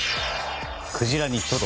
クジラにトド。